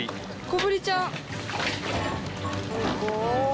小ぶりちゃん。